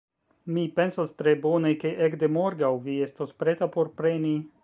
Mi pensas tre bone ke ekde morgaŭ, vi estos preta por preni...